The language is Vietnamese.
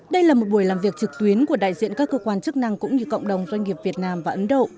đây là một buổi làm việc trực tuyến của đại diện các cơ quan chức năng cũng như cộng đồng doanh nghiệp việt nam và ấn độ